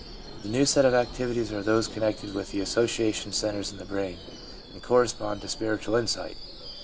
The new set of activities are those connected with the association centres in the brain, and correspond to spiritual insight.